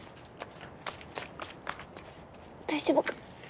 大丈夫か？